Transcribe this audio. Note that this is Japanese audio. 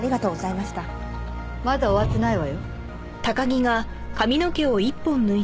まだ終わってないわよ。